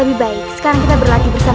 lebih baik sekarang kita berlatih bersama